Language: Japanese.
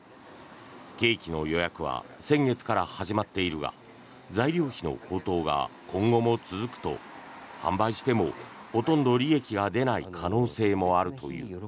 ケーキの予約は先月から始まっているが材料費の高騰が今後も続くと販売してもほとんど利益が出ない可能性もあるという。